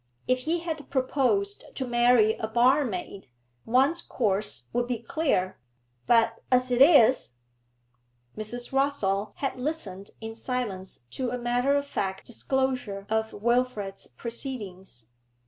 If he had proposed to marry a barmaid, one's course would be clear, but as it is ' Mrs. Rossall had listened in silence to a matter of fact disclosure of Wilfrid's proceedings.